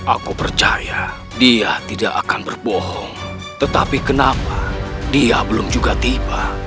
aku percaya dia tidak akan berbohong tetapi kenapa dia belum juga tiba